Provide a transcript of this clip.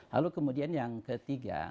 lalu kemudian yang ketiga